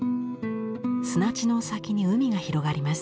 砂地の先に海が広がります。